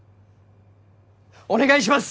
お願いします！